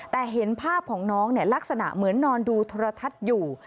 แต่เห็นภาพของน้องลักษณะเหมือนนอนดูโทรทัศน์อยู่